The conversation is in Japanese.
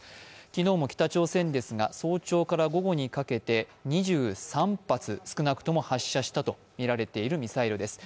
昨日も北朝鮮ですが、早朝から午後にかけて２３発、少なくとも発射したとみられているミサイルです。